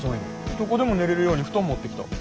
どこでも寝れるように布団持ってきた。